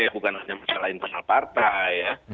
bukan hanya masalah internal partai ya